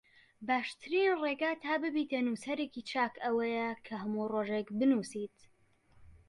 باشترین ڕێگە تا ببیتە نووسەرێکی چاک ئەوەیە کە هەموو ڕۆژێک بنووسیت